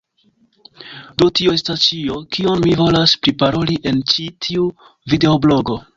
Do, tio estas ĉio, kion mi volas priparoli en ĉi tiu videoblogo.